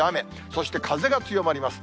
そして風が強まります。